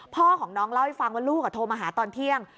พ่อของน้องเล่าให้ฟังว่าลูกโทรมาหาตอนเที่ยง